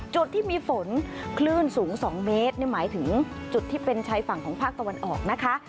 จุดที่มีฝนคลื่นสูง๒เมตรนี่หมายถึงจุดที่เป็นชายฝั่งของภาคตะวันออกนะคะ